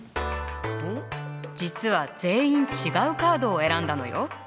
実は全員違うカードを選んだのよ。